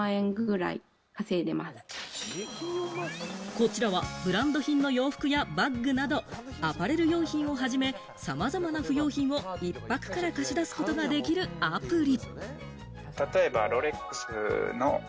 こちらはブランド品の洋服やバッグなど、アパレル用品をはじめ、さまざまな不用品を１泊から貸し出すことができるアプリ。